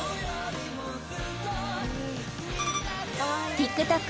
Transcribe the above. ＴｉｋＴｏｋ